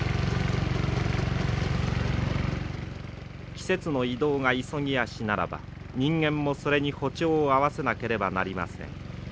季節の移動が急ぎ足ならば人間もそれに歩調を合わせなければなりません。